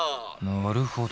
なるほど。